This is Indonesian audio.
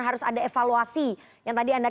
harus ada evaluasi yang tadi anda